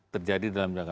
terjadi dalam jangka lama